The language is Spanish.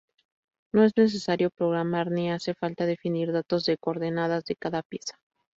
No es necesario programar ni hace falta definir datos de coordenadas de cada pieza.